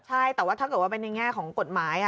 ใช่แต่ว่าถ้าเกิดว่าเป็นในแง่ของกฎหมาย